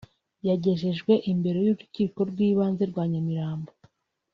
yagejejwe imbere y’urukiko rw’ibanze rwa Nyamirambo